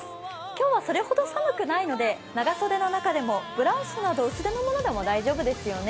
今日はそれほど寒くないので、長袖の中でもブラウスなど薄手のものでも大丈夫ですよね。